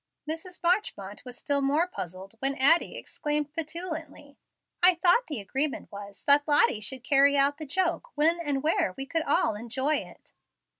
Mrs. Marchmont was still more puzzled when Addie exclaimed petulantly, "I thought the agreement was that Lottie should carry out the joke when and where we could all enjoy it."